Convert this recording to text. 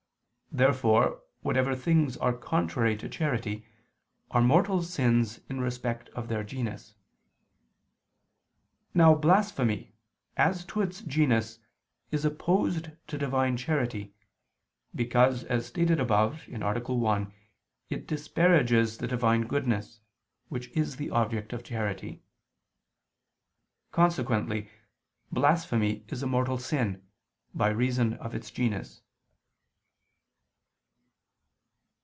Therefore whatever things are contrary to charity, are mortal sins in respect of their genus. Now blasphemy, as to its genus, is opposed to Divine charity, because, as stated above (A. 1), it disparages the Divine goodness, which is the object of charity. Consequently blasphemy is a mortal sin, by reason of its genus.